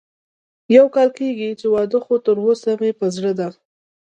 يو کال کېږي چې واده خو تر اوسه مې په زړه ده